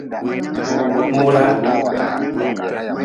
Mu ra.